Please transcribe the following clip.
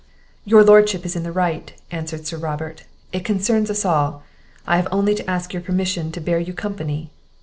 "Your Lordship is in the right," answered Sir Robert, "it concerns us all. I have only to ask your permission to bear you company."